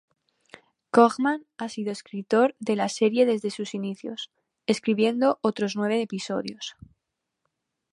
Cogman ha sido escritor de la serie desde sus inicios, escribiendo otros nueve episodios.